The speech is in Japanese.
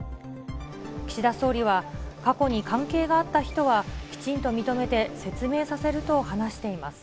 岸田総理は、過去に関係があった人は、きちんと認めて説明させると話しています。